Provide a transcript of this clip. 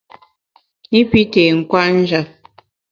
I pi té nkwet njap.